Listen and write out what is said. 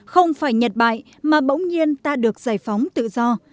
không phải nhật bại mà bỗng nhiên ta được giải phóng tự do